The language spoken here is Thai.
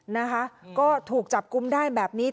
นะคะก็ถูกจับกุมได้แบบนี้